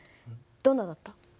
どんなだった？